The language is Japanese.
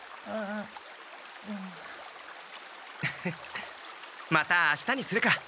フフッまたあしたにするか！